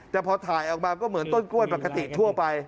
แต่พอถ่ายออกมาก็เหมือนต้นกล้วยปกติทั่วไป